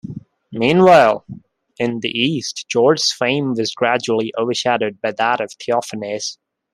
Meanwhile, in the East George's fame was gradually overshadowed by that of Theophanes.